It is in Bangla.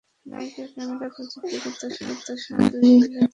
লাইকা ক্যামেরার প্রযুক্তিগত সহায়তায় দুই লেন্সের ক্যামেরা যোগ করা হয়েছে এতে।